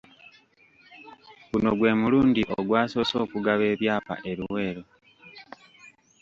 Guno gwe mulundi ogwasoose okugaba ebyapa e Luweero.